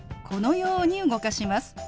このように動かします。